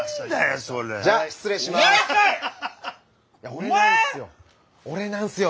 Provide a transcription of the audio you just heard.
お前⁉俺なんすよ。